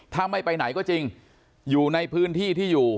ถ้าไม่ไปไหนก็จริงอยู่ในพื้นที่ที่อยู่